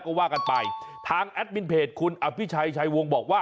ก็ว่ากันไปทางแอดมินเพจคุณอภิชัยชัยวงศ์บอกว่า